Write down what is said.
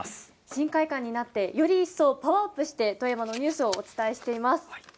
新会館になってより一層、パワーアップして富山のニュースをお伝えしています。